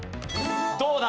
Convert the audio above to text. どうだ？